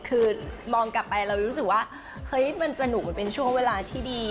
คือมองกลับไปเรารู้สึกว่าเฮ้ยมันสนุกมันเป็นช่วงเวลาที่ดี